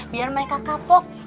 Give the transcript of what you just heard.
biar mereka kapok